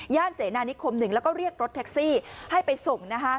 ย่านเสนานิคคมหนึ่งแล้วก็เรียกรถแท็กซี่ให้ไปส่ง